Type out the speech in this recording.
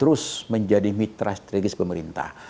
terus menjadi mitra strategis pemerintah